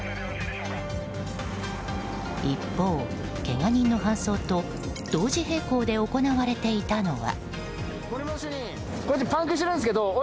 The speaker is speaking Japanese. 一方、けが人の搬送と同時並行で行われていたのは。